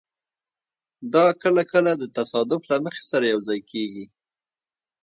دا کله کله د تصادف له مخې سره یوځای کېږي.